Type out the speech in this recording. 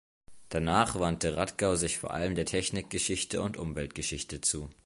Danach wandte Radkau sich vor allem der Technikgeschichte und Umweltgeschichte zu.